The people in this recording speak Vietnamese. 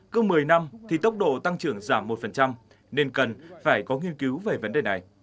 cứ một mươi năm thì tốc độ tăng trưởng giảm một nên cần phải có nghiên cứu về vấn đề này